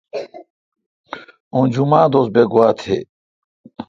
اوں جمعہ دوس بہ گوا تھی۔